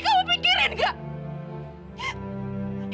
kamu pikirin gak